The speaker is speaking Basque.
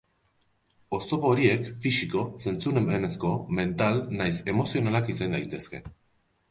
Oztopo horiek fisiko, zentzumenezko, mental nahiz emozionalak izan daitezke.